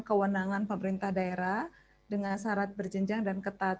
kewenangan pemerintah daerah dengan syarat berjenjang dan ketat